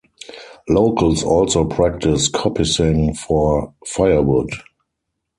Locals also practice coppicing for firewood.